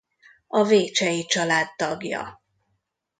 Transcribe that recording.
A Vécsey család tagja.